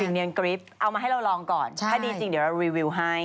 เนียนกริปเอามาให้เราลองก่อนถ้าดีจริงเดี๋ยวเรารีวิวให้